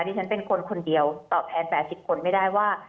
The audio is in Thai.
ที่ฉันเป็นคนคนเดียวตอบแทน๘๐คนไม่ได้ว่า